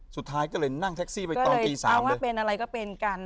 สุดท้ายก็เลยนั่งแท็กซี่ไปตอนตี๓เอาว่าเป็นอะไรก็เป็นกัน